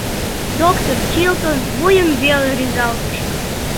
Доктыр Чилтон вуйым веле рӱзалтыш: